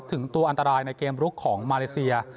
ถึงตัวอันตรายในเกมลุกของมาเลเซีย